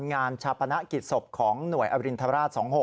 งานชาปนกิจศพของหน่วยอรินทราช๒๖